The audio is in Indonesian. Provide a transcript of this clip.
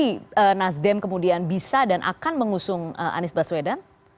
jadi nasdem kemudian bisa dan akan mengusung anies baswedan